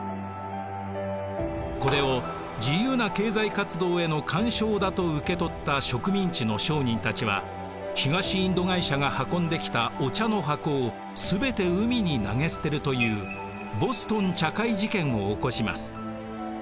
これを自由な経済活動への干渉だと受け取った植民地の商人たちは東インド会社が運んできたお茶の箱を全て海に投げ捨てるというボストン茶会事件を起こします。